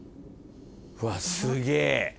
うわすげぇ。